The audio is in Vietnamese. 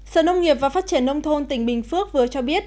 sở nông nghiệp và phát triển nông thôn tỉnh bình phước vừa cho biết